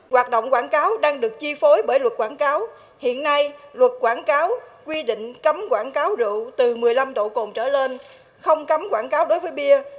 hoạt động quảng cáo đang được chi phối bởi luật quảng cáo hiện nay luật quảng cáo quy định cấm quảng cáo rượu từ một mươi năm độ cồn trở lên không cấm quảng cáo đối với bia